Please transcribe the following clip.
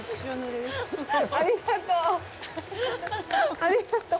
ありがとう。